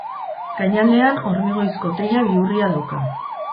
Gainaldean, hormigoizko teila bihurria dauka.